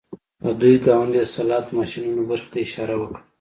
د دوی ګاونډۍ د سلاټ ماشینونو برخې ته اشاره وکړه